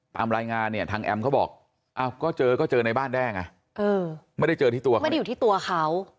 ตามรายงานทางแอมท์เขาบอกก็เจอในบ้านแด้งไม่ได้เจอที่ตัวเขา